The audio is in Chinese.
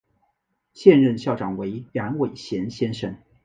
现任校长为杨伟贤先生。